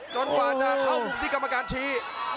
กว่าจะเข้ามุมที่กรรมการชี้